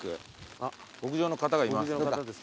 あっ牧場の方がいます。